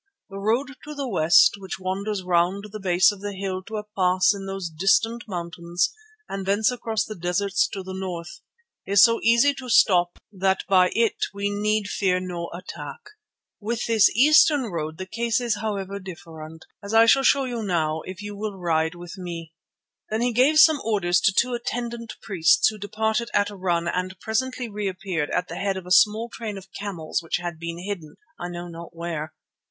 The road to the west, which wanders round the base of the hill to a pass in those distant mountains and thence across the deserts to the north, is so easy to stop that by it we need fear no attack. With this eastern road the case is, however, different, as I shall now show you, if you will ride with me." Then he gave some orders to two attendant priests who departed at a run and presently reappeared at the head of a small train of camels which had been hidden, I know not where.